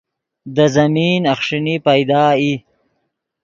دے زمین اخݰینی پیدا ای